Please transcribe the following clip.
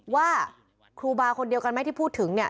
ว่าครูบาคนเดียวกันไหมที่พูดถึงเนี่ย